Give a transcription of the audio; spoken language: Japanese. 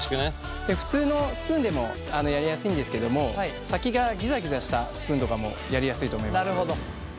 普通のスプーンでもやりやすいんですけども先がぎざぎざしたスプーンとかもやりやすいと思います。